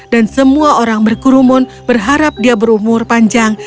dan semua orang berkurumun berharap dia berumur panjang